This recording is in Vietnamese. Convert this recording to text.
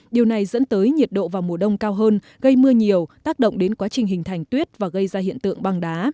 điều này dẫn tới nhiệt độ vào mùa đông cao hơn gây mưa nhiều tác động đến quá trình hình thành tuyết và gây ra hiện tượng băng đá